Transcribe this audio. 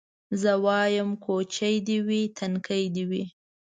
زه وايم کوچۍ دي وي نتکۍ دي وي